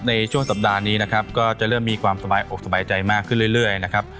ในช่วงสัปดาห์นี้นะครับก็จะเริ่มมีความสบายอกสบายใจมากขึ้นเรื่อยนะครับ